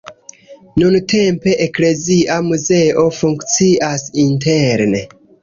Nuntempe eklezia muzeo funkcias interne.